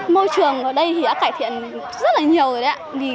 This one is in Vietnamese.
môi trường ở đây thì đã cải thiện rất là nhiều rồi đấy ạ